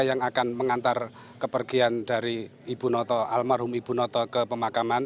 yang akan mengantar kepergian dari ibu noto almarhum ibu noto ke pemakaman